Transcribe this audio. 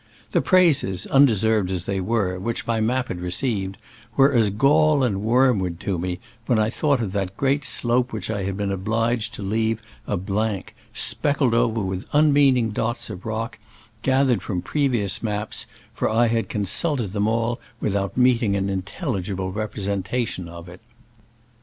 The praises, undeserved as they were, which my map had received, were as gall and wormwood to me when I thought of that great slope which I had been obliged to leave a blank, speckled over with un meaning dots of rock, gathered from previous maps, for I had consulted them all without meeting an intelligible repre sentation of it.